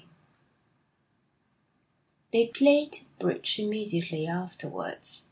III They played bridge immediately afterwards.